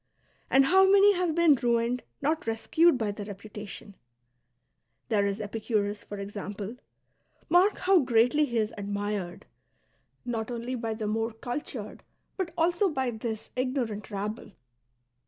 And how many have been ruined, not rescued, by their reputation ? There is Epicurus, for example ; mark how greatly he is admired, not only by the more cultured, but also by this ignoi'ant rabble.